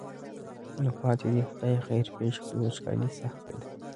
نو پاتې دې خدای خیر پېښ کړي وچکالي سخته ده.